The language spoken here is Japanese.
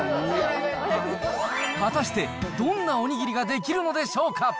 果たして、どんなおにぎりが出来るのでしょうか。